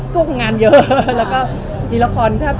ตัวงานเยอะแล้วก็มีละครครับ